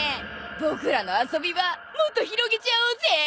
僕らの遊び場もっと広げちゃおうぜ！